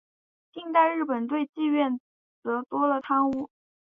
近代日本对妓院则多了汤屋。